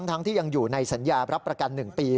ทั้งที่ยังอยู่ในสัญญารับประกัน๑ปี